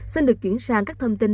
xin được chuyển sang các thông tin